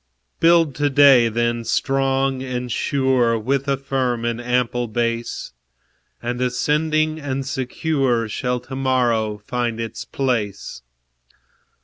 Build to day, then, strong and sure, With a firm and ample base; And ascending and secure Shall to morrow find its place.